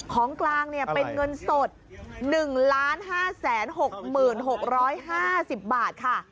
ของกลางเป็นเงินสด๑๕๖๖๕๐บาทค่ะ